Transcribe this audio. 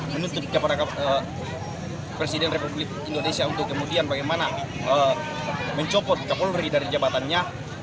menuntut kepada presiden republik indonesia untuk kemudian bagaimana mencopot kapolri dari jabatannya